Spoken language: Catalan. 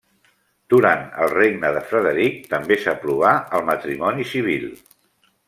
Durant el regnat de Frederic també s'aprovà el matrimoni civil.